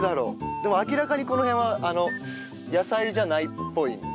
でも明らかにこの辺は野菜じゃないっぽいんで。